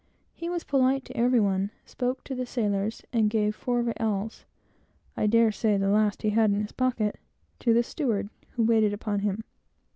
He was polite to every one, spoke to the sailors, and gave four reáls I dare say the last he had in his pocket to the steward, who waited upon him.